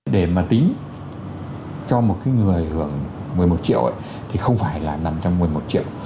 để mà tính cho một cái người hưởng một mươi một triệu thì không phải là nằm trong một mươi một triệu